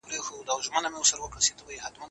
که عملي کار موجود وي، علم نه هېرېږي.